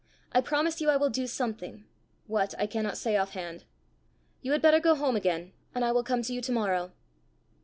I promise you I will do something what, I cannot say offhand. You had better go home again, and I will come to you to morrow."